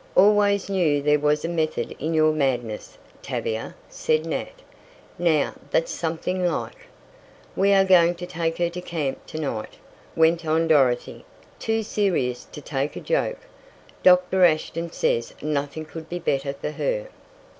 "Always knew there was a method in your madness, Tavia," said Nat. "Now, that's something like!" "We are going to take her to camp to night," went on Dorothy, too serious to take a joke. "Doctor Ashton says nothing could be better for her."